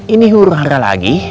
ini hurra hara lagi